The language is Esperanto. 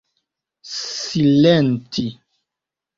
silenti